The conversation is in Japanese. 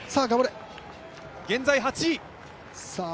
現在８位。